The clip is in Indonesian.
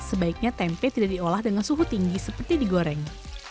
sebaiknya tempe tidak diolah dengan suhu tinggi seperti digoreng